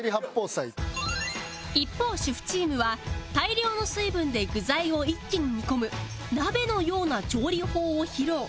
一方主婦チームは大量の水分で具材を一気に煮込む鍋のような調理法を披露